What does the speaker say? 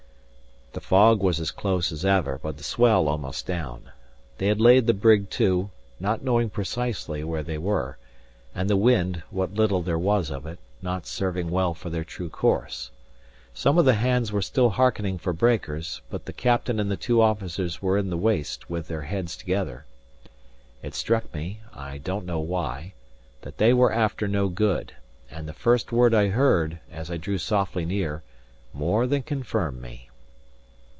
The fog was as close as ever, but the swell almost down. They had laid the brig to, not knowing precisely where they were, and the wind (what little there was of it) not serving well for their true course. Some of the hands were still hearkening for breakers; but the captain and the two officers were in the waist with their heads together. It struck me (I don't know why) that they were after no good; and the first word I heard, as I drew softly near, more than confirmed me.